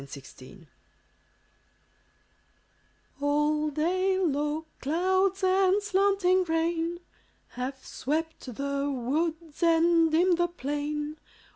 The Old Clock All day low clouds and slanting rain Have swept the woods and dimmed the plain.